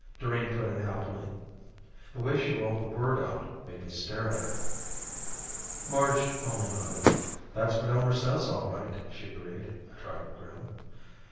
Doreen put in happily. The way she rolled the word out made me stare at her. Marge only nodded. "That's what Elmer says, all right," she agreed, a trifle grim.